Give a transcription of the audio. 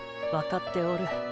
わかっておる。